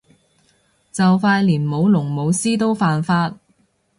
就快連舞龍舞獅都犯法